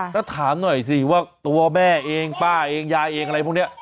แล้วถามหน่อยสิว่าตัวแม่เองป้าเองยายเองอะไรพวกนี้